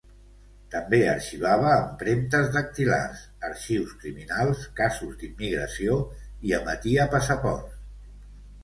També arxivava empremtes dactilars, arxius criminals, casos d'immigració i emetia passaports.